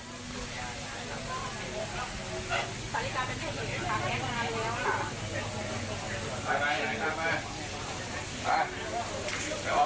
ไปมีอะไรนะคะมา